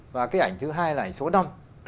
và cái ảnh thứ hai là ảnh số năm